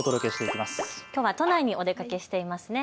きょうは都内にお出かけしていますね。